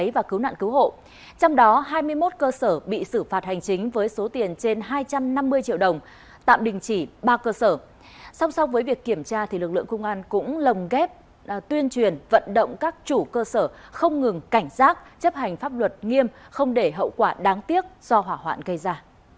với việc kiểm tra thì lực lượng công an cũng lồng ghép tuyên truyền vận động các chủ cơ sở không ngừng cảnh giác chấp hành pháp luật nghiêm không để hậu quả đáng tiếc do hỏa hoạn gây ra